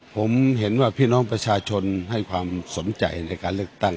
ผมเห็นว่าพี่น้องประชาชนให้ความสนใจในการเลือกตั้ง